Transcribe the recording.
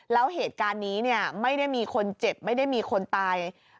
แล้วเหตุการณ์นี้ไม่ได้มีคนเจ็บไม่ได้มีคนตาย